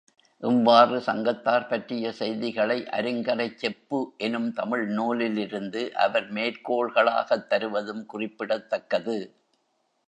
இவ்வாறு சங்கத்தார் பற்றிய செய்திகளை அருங்கலைச் செப்பு எனும் தமிழ் நூலிலிருந்து அவர் மேற்கோள்களாகத் தருவதும் குறிப்பிடத்தக்கது.